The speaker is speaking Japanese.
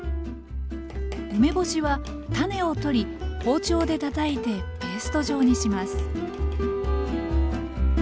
梅干しは種を取り包丁でたたいてペースト状にします